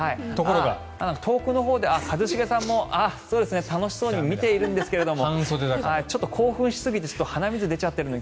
遠くのほうで一茂さんも楽しそうに見ているんですが興奮しすぎて鼻水が出ちゃってるので。